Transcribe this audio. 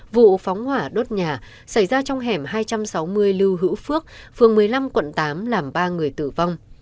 vụ phóng hỏa đốt nhà xảy ra trong hẻm hai trăm sáu mươi lưu hữu phước phường một mươi năm quận tám làm ba người tử vong